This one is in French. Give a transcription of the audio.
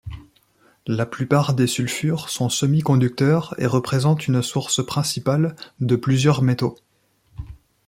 La plupart des sulfures sont semi-conducteurs et représentent une source principale de plusieurs métaux.